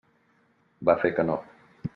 Va fer que no.